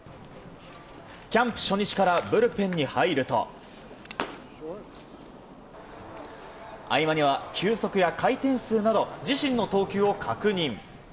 キャンプ初日からブルペンに入ると合間には球速や回転数など自身の投球を確認。